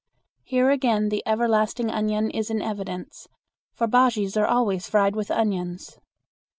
Here again the everlasting onion is in evidence, for bujeas are always fried with onions.